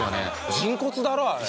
人骨だろあれ。